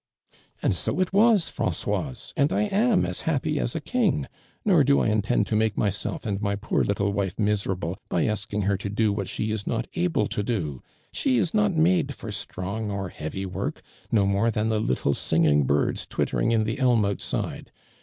'• And so it was, Francoise, and I am as happy as a king. Nor do I intend to make myself and my poor little wife miserable by asking her to do what she is not able to do. She is not made for strong or heavy work, no more than the little singing birds twittering in the elm outside.